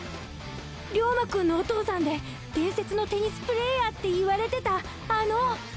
リョーマくんのお父さんで伝説のテニスプレーヤーっていわれてたあの！？